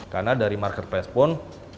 karena dari marketplace pun